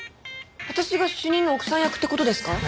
私が主任の奥さん役って事ですか？